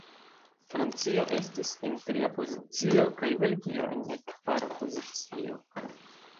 Francio estis en tria pozicio, kaj Belgio en kvara pozicio.